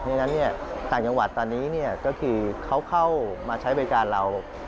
เพราะฉะนั้นต่างจังหวัดตอนนี้ก็คือเขาเข้ามาใช้บริการเรา